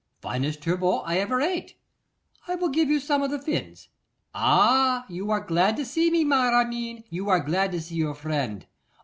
Finest turbot I ever ate! I will give you some of the fins. Ah! you are glad to see me, my Armine, you are glad to see your friend.